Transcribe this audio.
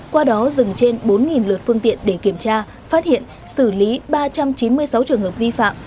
qua đó dừng trên bốn lượt phương tiện để kiểm tra phát hiện xử lý ba trăm chín mươi sáu trường hợp vi phạm